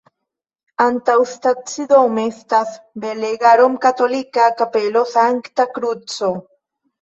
Antaŭstacidome estas belega romkatolika Kapelo Sankta Kruco.